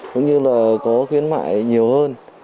cũng như là có khuyến mại nhiều hơn